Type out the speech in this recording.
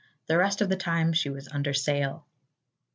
The rest of the time she was under sail.